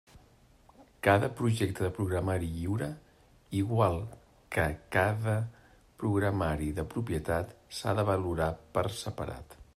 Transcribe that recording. Cada projecte de programari lliure, igual que cada programari de propietat, s'ha de valorar per separat.